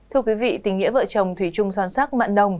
thưa quý vị tình nghĩa vợ chồng thủy trung son sắc mạng đồng